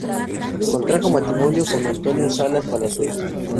Contrajo matrimonio con Antonia Salas Palazuelos.